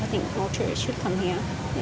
saya pikir semua turis harus datang ke sini